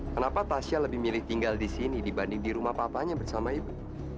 kenapa tasya lebih milih tinggal di sini dibanding di rumah papanya bersama ibu